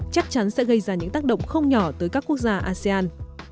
chắc chắn sẽ gây ra những tác động không nhỏ tới các quốc gia asean